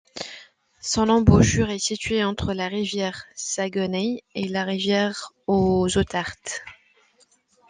Son embouchure est située entre la rivière Saguenay et la rivière aux Outardes.